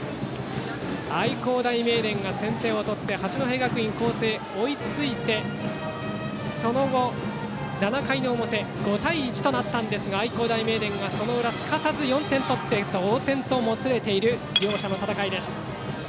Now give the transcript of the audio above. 愛工大名電が先手を取って八戸学院光星が追いついてその後、７回表５対１となったんですが愛工大名電がその裏、すかさず４点取って同点ともつれている両者の戦いです。